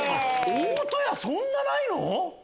大戸屋そんなないの？